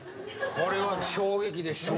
これは衝撃でしたね。